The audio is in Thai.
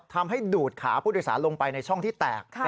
ทำให้ดูดขาผู้โดยสารลงไปในช่องที่แตก